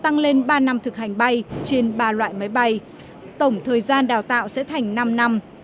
tăng lên ba năm thực hành bay trên ba loại máy bay tổng thời gian đào tạo sẽ thành năm năm